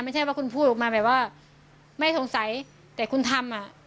ไม่ใช่ว่าคุณพูดออกมาแบบว่าไม่สงสัยแต่คุณทำอ่ะ